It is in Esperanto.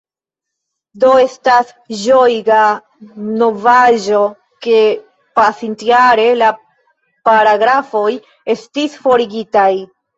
Do estas ĝojiga novaĵo, ke pasintjare la paragrafoj estis forigitaj.